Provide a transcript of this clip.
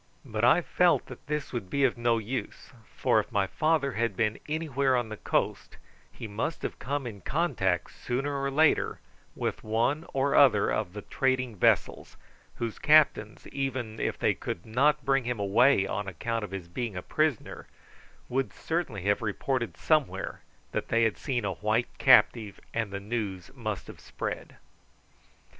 But I felt that this would be of no use, for if my father had been anywhere on the coast he must have come in contact sooner or later with one or other of the trading vessels, whose captains, even if they could not bring him away on account of his being a prisoner, would certainly have reported somewhere that they had seen a white captive, and the news must have spread.